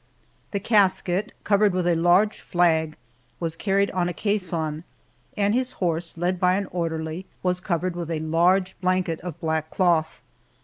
The casket, covered with a large flag, was carried on a caisson, and his horse, led by an orderly, was covered with a large blanket of black cloth.